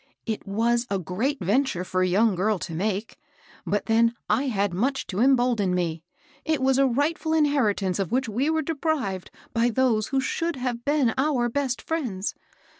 ^^It was a great venture for a young girl to make ; but then I had much to embolden me. It was a rightful inherit ance of which we were deprived by those who should have been our best friends.